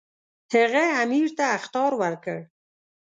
هغه امیر ته اخطار ورکړ.